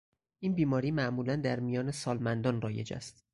این بیماری معمولا در میان سالمندان رایج است.